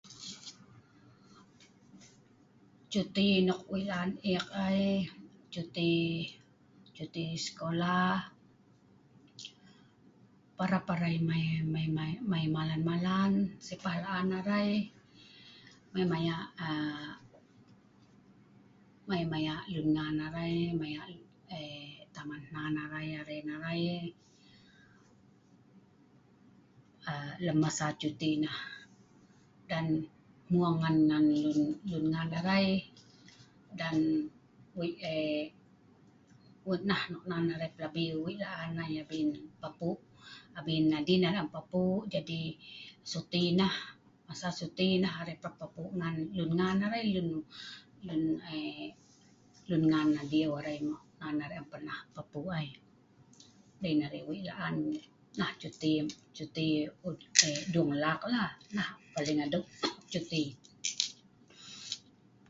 Cuti nok wei' la'an ek ai, cuti cuti sekolah, parap arai mai, mai mai mai malan malan sipah la'an arai mai mayah' aaa mai maya' lun ngan arai, mai maya' aaa taman hnan arai, aren arai, aa lem masa cuti nah. Dan hmung ngan ngan lun lun ngan arai, dan wei' eee ko'dut nah nok nan arai wei' la'an ai abin papu' abin adin arai am papu' jadi suti nah, masa suti nah arai parap papu' ngan lun ngan arai, lun lun aaa leun ngan adiu arai, nok nan arai am parap papu' ai. Dei' nah arai wei' la'an nah cuti cuti aa deung laklah, nah paling adeu' cuti.